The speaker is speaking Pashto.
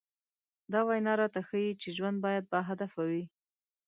دا وينا راته ښيي چې ژوند بايد باهدفه وي.